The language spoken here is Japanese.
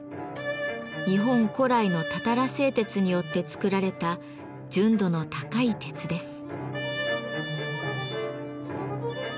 日本古来のたたら製鉄によって作られた純度の高い鉄です。